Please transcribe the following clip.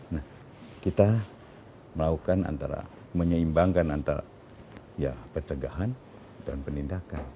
nah kita melakukan antara menyeimbangkan antara ya pencegahan dan penindakan